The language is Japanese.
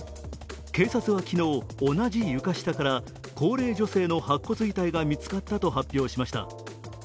警察は昨日、同じ床下から高齢女性の白骨遺体が見つかったと発表しました。